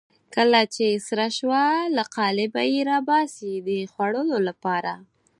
کله چې سره شوه له قالبه یې راباسي د خوړلو لپاره.